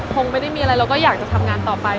คงไม่ได้มีอะไรเราก็อยากจะทำงานต่อไป